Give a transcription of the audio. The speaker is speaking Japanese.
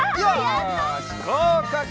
よしごうかく！